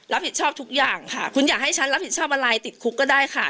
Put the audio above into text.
รับผิดชอบทุกอย่างค่ะคุณอยากให้ฉันรับผิดชอบอะไรติดคุกก็ได้ค่ะ